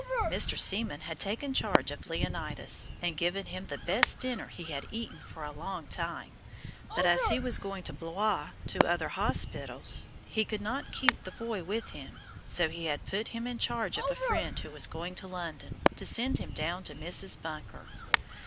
Mr. Seaman had taken charge of Leonidas, and given him the best dinner he had eaten for a long time, but as he was going to Blois to other hospitals, he could not keep the boy with him; so he had put him in charge of a friend who was going to London, to send him down to Mrs. Bunker.